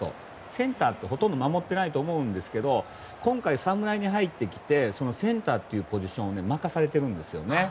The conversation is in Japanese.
センターは、ほとんど守ってないと思うんですけど今回、侍に入ってきてセンターというポジションを任されているんですね。